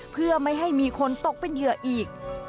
เพื่อไม่ให้มีคนตกเป็นเหยื่ออีก